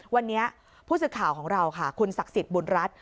วันนี้ผู้สื่อข่าวของเราค่ะคุณศักดิ์สิทธิ์บุญรัฐ